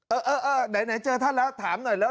เออเออไหนเจอท่านแล้วถามหน่อยแล้ว